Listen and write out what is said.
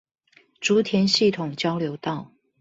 竹田系統交流道